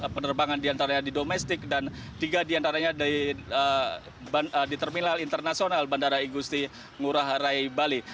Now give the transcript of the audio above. penerbangan diantaranya di domestik dan tiga diantaranya di terminal internasional bandara igusti ngurah rai bali